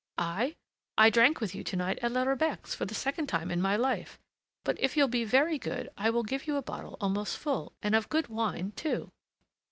"I? I drank with you to night at La Rebec's for the second time in my life; but if you'll be very good, I will give you a bottle almost full, and of good wine too!"